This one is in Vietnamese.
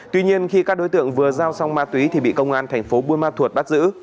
tuy nhiên khi các đối tượng vừa giao xong ma túy thì bị công an thành phố buôn ma thuột bắt giữ